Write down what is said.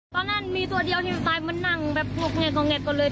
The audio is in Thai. ตอนนั้นมีตัวเดียวที่มันตายมานั่งแบบพวกแงกงแงกก็เลย